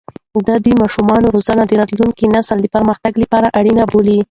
ده د ماشومانو روزنه د راتلونکي نسل د پرمختګ لپاره اړينه بلله.